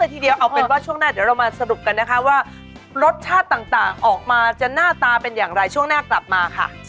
ทีเดียวเอาเป็นว่าช่วงหน้าเดี๋ยวเรามาสรุปกันนะคะว่ารสชาติต่างออกมาจะหน้าตาเป็นอย่างไรช่วงหน้ากลับมาค่ะ